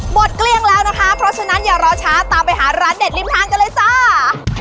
เกลี้ยงแล้วนะคะเพราะฉะนั้นอย่ารอช้าตามไปหาร้านเด็ดริมทางกันเลยจ้า